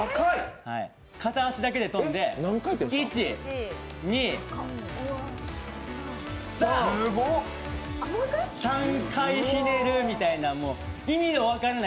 片足だけで跳んで、１、２、３！３回ひねるみたいな意味の分からない